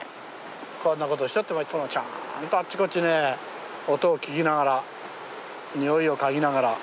こんなことしとってもちゃんとあちこちね音を聞きながら臭いを嗅ぎながら。